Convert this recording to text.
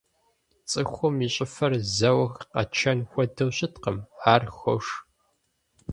Цӏыхум и щӏыфэр зэуэ къэчэн хуэдэу щыткъым, ар хош.